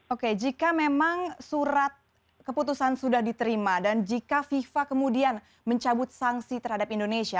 oke jika memang surat keputusan sudah diterima dan jika fifa kemudian mencabut sanksi terhadap indonesia